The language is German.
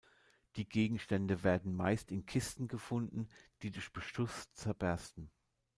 Die Gegenstände werden meist in Kisten gefunden, die durch Beschuss zerbersten.